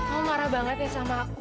aku marah banget ya sama aku